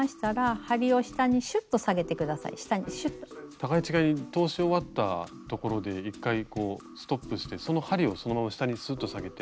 互い違いに通し終わったところで１回こうストップしてその針をそのまま下にスッと下げて。